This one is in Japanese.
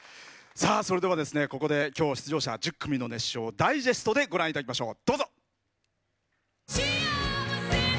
それではここできょう出場者１０組の熱唱をダイジェストでご覧いただきましょう。